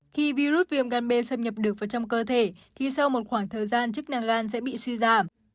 khi virus viêm gan b xâm nhập được vào trong cơ thể thì sau một khoảng thời gian chức năng gan sẽ bị suy giảm